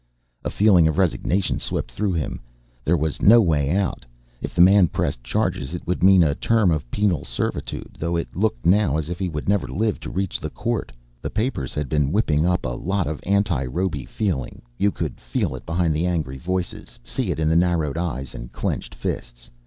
A feeling of resignation swept through him, there was no way out. If the man pressed charges it would mean a term of penal servitude, though it looked now as if he would never live to reach the court. The papers had been whipping up a lot of anti robe feeling, you could feel it behind the angry voices, see it in the narrowed eyes and clenched fists.